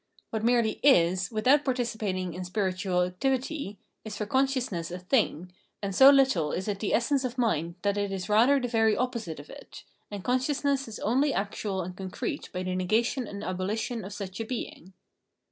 What merely is, without participating in spiritual activity, is for consciousness a thing, and so little is it the essence of mind that it is rather the very opposite of it, and consciousness is only actual and concrete by the negation and abolition of such a being.